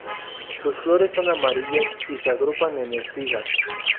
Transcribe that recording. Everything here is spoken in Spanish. Sus flores son amarillas y se agrupan en espigas.